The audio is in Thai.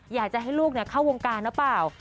อยากจะให้ลูกเข้าวงการหรือเปล่า